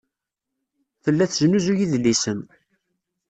Tella tesnuzuy idlisen.